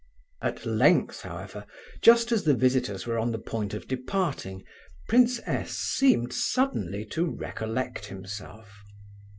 At length, however, just as the visitors were on the point of departing, Prince S. seemed suddenly to recollect himself.